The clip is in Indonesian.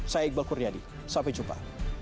saya iqbal kuryadi sampai jumpa